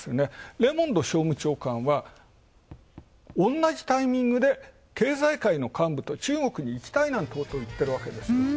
レモンド商務長官は、同じタイミングで経済界の幹部と中国に行きたいということをいっているんです。